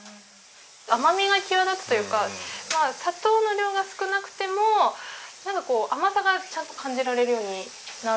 甘みが際立つというか砂糖の量が少なくてもなんかこう甘さがちゃんと感じられるようになるっていう。